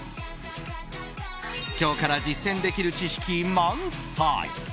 今日から実践できる知識満載！